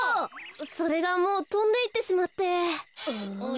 それがもうとんでいってしまって。